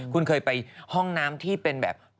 คุณเคยไปห้องน้ำที่เป็นแบบ